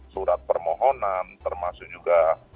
surat permohonan termasuk juga